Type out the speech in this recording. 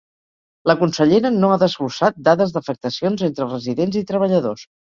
La consellera no ha desglossat dades d’afectacions entre residents i treballadors.